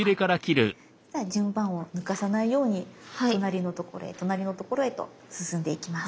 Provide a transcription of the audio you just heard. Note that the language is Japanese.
じゃあ順番を抜かさないように隣のところへ隣のところへと進んでいきます。